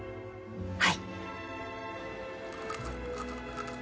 はい。